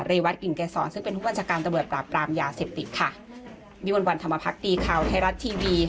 วัตกลิ่นเกษรซึ่งเป็นผู้บัญชาการตำรวจปราบปรามยาเสพติดค่ะวิมวลวันธรรมพักดีข่าวไทยรัฐทีวี